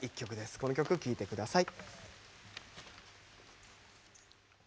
この曲、聴いてください。